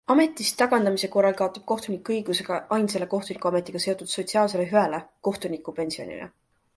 Ametist tagandamise korral kaotab kohtunik õiguse ka ainsale kohtunikuametiga seotud sotsiaalsele hüvele - kohtunikupensionile.